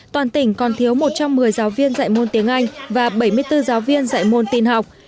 toàn tỉnh còn thiếu một trăm một mươi giáo viên dạy môn tiếng anh và bảy mươi bốn giáo viên dạy môn tin học